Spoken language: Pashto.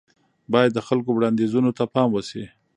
بايد د خلکو وړانديزونو ته پام وشي.